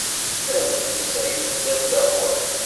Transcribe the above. Adlis-a yuklal taɣuri.